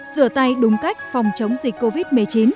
rửa tay đúng cách phòng chống dịch covid một mươi chín